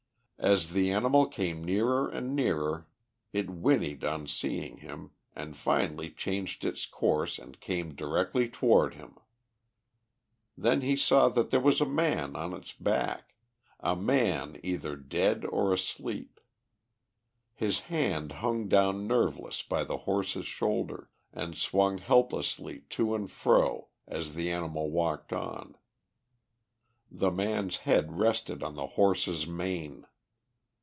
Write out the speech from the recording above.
As the animal came nearer and nearer it whinnied on seeing him, and finally changed its course and came directly toward him. Then he saw that there was a man on its back; a man either dead or asleep. His hand hung down nerveless by the horse's shoulder, and swung helplessly to and fro as the animal walked on; the man's head rested on the horse's mane.